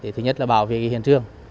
thứ nhất là bảo vệ hiện trường